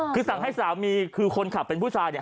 คือสั่งให้สามีคือคนขับเป็นผู้ชายเนี่ย